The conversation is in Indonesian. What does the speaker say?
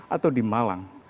atau di malang